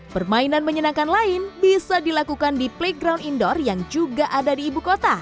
pemainan menyenangkan lain bisa dilakukan di playground indoor yang juga ada di ibukota